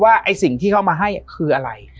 ไอ้สิ่งที่เขามาให้คืออะไร